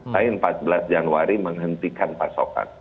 saya empat belas januari menghentikan pasokan